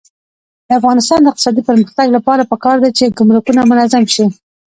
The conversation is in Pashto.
د افغانستان د اقتصادي پرمختګ لپاره پکار ده چې ګمرکونه منظم شي.